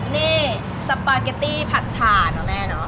นี่สปาเกตตี้ผัดฉานะแม่เนาะ